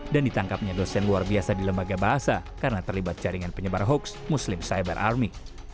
dan ditangkapnya dosen luar biasa di lembaga bahasa karena terlibat jaringan penyebar hoaks muslim cyber army